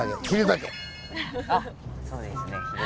あっそうですねヒレ